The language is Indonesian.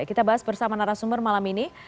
kita bahas bersama narasumber malam ini